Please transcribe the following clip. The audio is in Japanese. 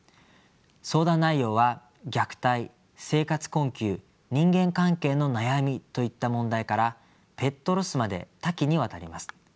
相談内容は虐待生活困窮人間関係の悩みといった問題からペットロスまで多岐にわたります。